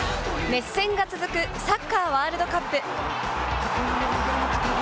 熱戦が続くサッカーワールドカップ。